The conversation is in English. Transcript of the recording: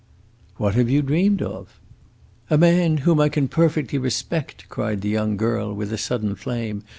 "What have you dreamed of?" "A man whom I can perfectly respect!" cried the young girl, with a sudden flame.